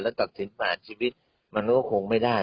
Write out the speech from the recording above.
แล้วตัดสินประหารชีวิตมันก็คงไม่ได้